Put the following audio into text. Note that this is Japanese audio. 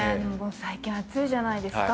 最近暑いじゃないですか。